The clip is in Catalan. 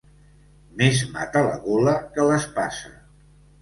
Més mata la gola que l'espasa.